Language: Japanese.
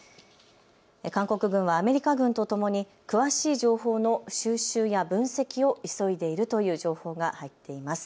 韓国軍はアメリカ軍とともに詳しい情報の収集や分析を急いでいるという情報が入っています。